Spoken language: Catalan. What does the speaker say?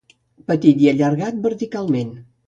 —petit i allargat verticalment